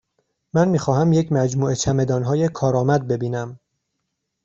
من می خواهم یک مجموعه چمدانهای کارآمد ببینم.